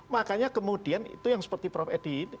makanya kemudian itu yang seperti prof edi